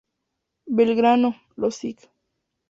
Belgrano, los sig.